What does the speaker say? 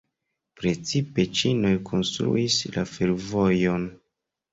Precipe ĉinoj konstruis la fervojon.